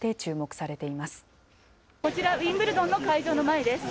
こちら、ウィンブルドンの会場の前です。